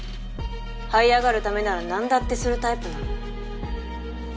這い上がるためなら何だってするタイプなの。